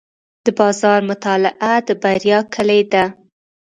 د بازار مطالعه د بریا کلي ده.